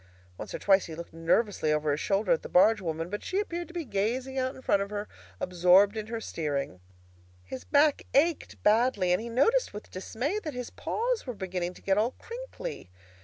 Once or twice he looked nervously over his shoulder at the barge woman, but she appeared to be gazing out in front of her, absorbed in her steering. His back ached badly, and he noticed with dismay that his paws were beginning to get all crinkly.